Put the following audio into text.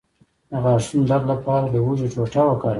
د غاښونو د درد لپاره د هوږې ټوټه وکاروئ